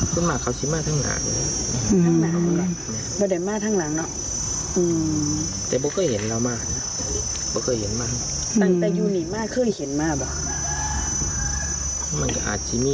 ทั้งหลังเขาใช้มาทั้งหลังทั้งหลังเพราะแต่มาทั้งหลังเนอะอืม